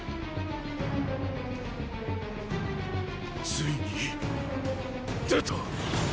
ついに。出た。